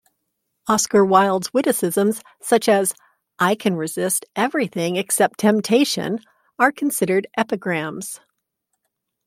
Oscar Wilde's witticisms such as "I can resist everything except temptation" are considered epigrams.